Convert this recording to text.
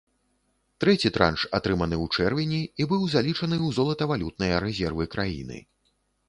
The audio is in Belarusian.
Трэці транш атрыманы ў чэрвені і быў залічаны ў золатавалютныя рэзервы краіны.